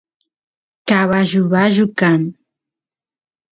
caballu bayu kan